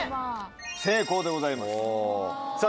成功でございますさぁ